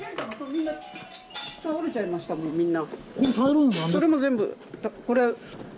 倒れちゃいましたもん、みんな。